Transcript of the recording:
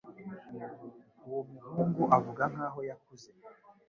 Uwo muhungu avuga nkaho yakuze.